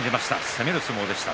攻める相撲でした。